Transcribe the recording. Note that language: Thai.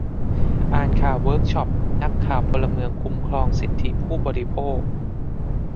อ่านข่าวเวิร์กช็อปนักข่าวพลเมืองคุ้มครองสิทธิผู้บริโภค